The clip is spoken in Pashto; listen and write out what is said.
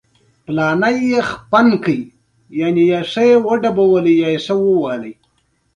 د رسنیو له لارې د نوي فکرونو خپرېدل اسانه شوي.